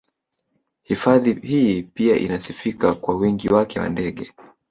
Hifadhi hii pia inasifika kwa wingi wake wa ndege